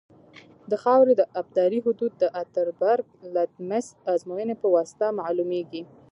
د خاورې د ابدارۍ حدود د اتربرګ لمتس ازموینې په واسطه معلومیږي